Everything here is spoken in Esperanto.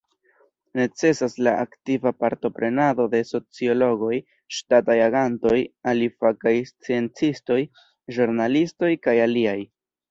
Necesas la aktiva partoprenado de sociologoj, ŝtataj agantoj, alifakaj sciencistoj, ĵurnalistoj, kaj aliaj.